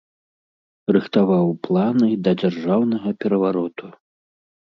Рыхтаваў планы да дзяржаўнага перавароту.